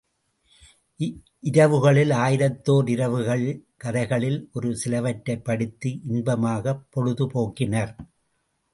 இரவுகளில் ஆயிரத்தோர் இரவுகள் கதைகளில் ஒரு சிலவற்றைப் படித்து இன்பமாகப் பொழுது போக்கினர்.